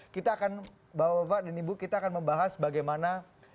kita akan membahas bagaimana